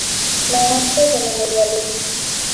La noche de la Media Luna.